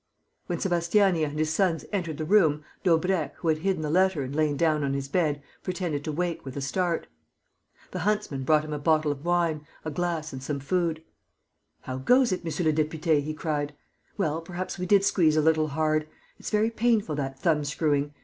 When Sébastiani and his sons entered the room, Daubrecq, who had hidden the letter and lain down on his bed, pretended to wake with a start. The huntsman brought him a bottle of wine, a glass and some food: "How goes it, monsieur le député?" he cried. "Well, perhaps we did squeeze a little hard.... It's very painful, that thumbscrewing.